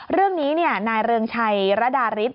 เรื่องนี้นายเรืองชัยระดาริส